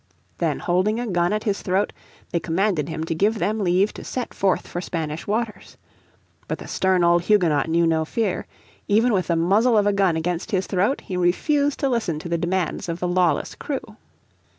Then holding a gun at his throat they commanded him to give them leave to set forth for Spanish waters. But the stern old Huguenot knew no fear. Even with the muzzle of the gun against his throat he refused to listen to the demands of the lawless crew.